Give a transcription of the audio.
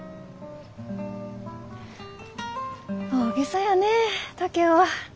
大げさやね竹雄は。